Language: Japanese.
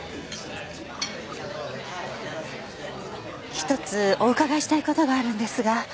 １つお伺いしたい事があるんですが。